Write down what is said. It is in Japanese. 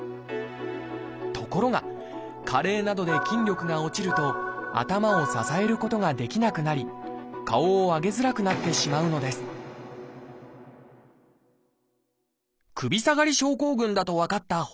ところが加齢などで筋力が落ちると頭を支えることができなくなり顔を上げづらくなってしまうのです首下がり症候群だと分かった本多さん。